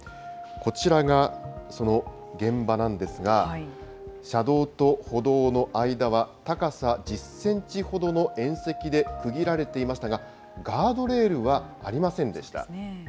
こちらがその現場なんですが、車道と歩道の間は高さ１０センチほどの縁石で区切られていましたが、ガードレールはありませんでした。